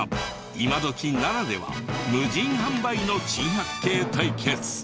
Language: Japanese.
今どきならでは無人販売の珍百景対決。